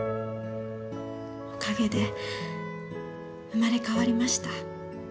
おかげで生まれ変わりました。